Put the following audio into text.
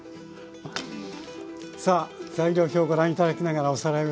さあ材料表ご覧頂きながらおさらいをしましょう。